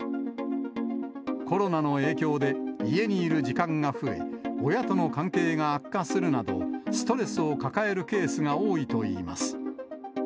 コロナの影響で、家にいる時間が増え、親との関係が悪化するなど、ストレスを抱えるケースが多いといいます。